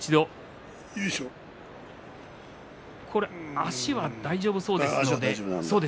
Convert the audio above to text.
足は大丈夫そうですね。